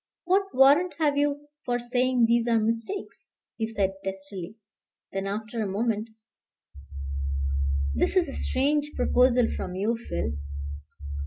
What warrant have you for saying these are mistakes?" he said testily; then after a moment: "This is a strange proposal from you, Phil.